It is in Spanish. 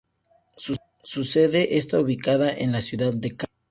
Su sede está ubicada en la ciudad de Cali.